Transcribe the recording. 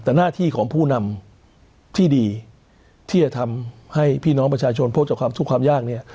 แต่หน้าที่ของผู้นำที่ดีที่จะทำให้พี่น้องประชาชนพกจากความทุกข์ความยากเนี่ย